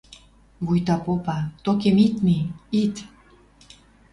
Вуйта попа: «Токем ит ми, ит!..»